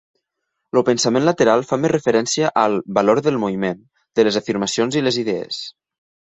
El pensament lateral fa més referència al "valor del moviment" de les afirmacions i les idees.